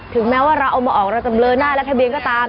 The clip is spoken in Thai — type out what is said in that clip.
แม้ว่าเราเอามาออกเราจะเลอหน้าและทะเบียนก็ตาม